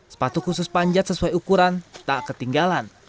sepatu khusus panjat sesuai ukuran tak ketinggalan